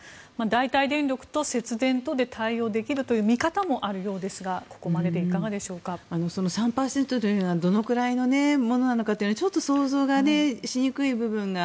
代替電力と節電とで対応できるという見方もあるようですが３％というのはどれくらいのものなのかというのはちょっと想像がしにくい部分が。